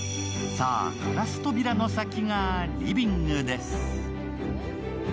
さあ、ガラス扉の先がリビングです。